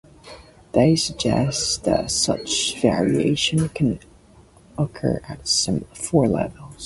They suggest that such variation can occur at four levels.